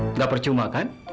tidak percuma kan